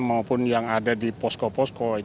kita bisa mencari serpian serpian pesawat